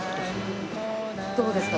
どうですか？